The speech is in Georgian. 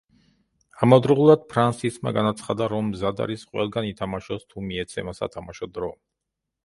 ამავდროულად ფრანსისმა განაცხადა, რომ მზად არის ყველგან ითამაშოს თუ მიეცემა სათამაშო დრო.